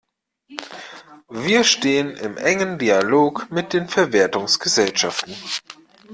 Wir stehen in engem Dialog mit den Verwertungsgesellschaften.